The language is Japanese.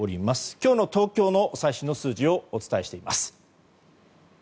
今日の東京の最新の数字をお伝えしています。